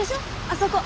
あそこ。